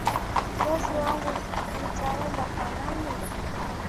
Yesu wangu nitaenda kwanani